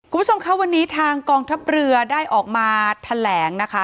คุณผู้ชมคะวันนี้ทางกองทัพเรือได้ออกมาแถลงนะคะ